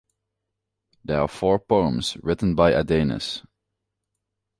There are four poems written by Adenes.